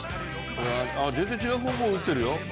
全然違う方向打ってるよ。